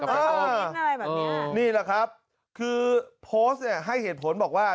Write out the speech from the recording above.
เอาหินอะไรแบบนี้นี่แหละครับคือโพสต์เนี่ยให้เหตุผลบอกว่า